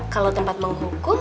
kalau tempat menghukum